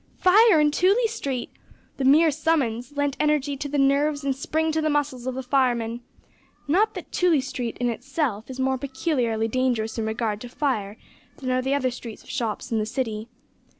Fire in Tooley Street! The mere summons lent energy to the nerves and spring to the muscles of the firemen. Not that Tooley Street in itself is more peculiarly dangerous in regard to fire than are the other streets of shops in the City.